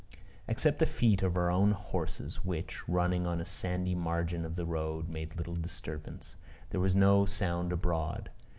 Except the feet of our own horses, which, running on a sandy margin of the road, made little disturbance, there was no sound abroad.